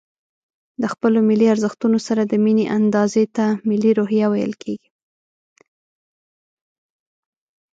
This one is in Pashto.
د خپلو ملي ارزښتونو سره د ميني اندازې ته ملي روحيه ويل کېږي.